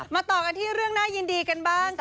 ต่อกันที่เรื่องน่ายินดีกันบ้าง